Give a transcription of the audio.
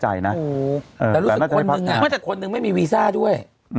ตอนนี้ไม่มีวีซ่าด้วย